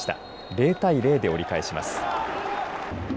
０対０で折り返します。